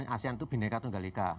asean itu bhinneka tunggalita